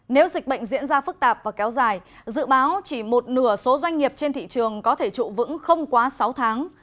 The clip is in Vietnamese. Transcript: nếu dịch bệnh diễn ra phức tạp và kéo dài dự báo chỉ một nửa số doanh nghiệp trên thị trường có thể trụ vững không quá sáu tháng